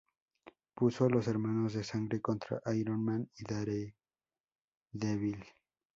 Puso a los Hermanos de Sangre contra Iron Man y Daredevil.